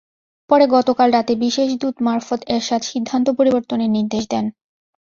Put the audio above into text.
পরে গতকাল রাতে বিশেষ দূত মারফত এরশাদ সিদ্ধান্ত পরিবর্তনের নির্দেশ দেন।